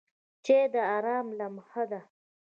چای د آرام لمحه ده.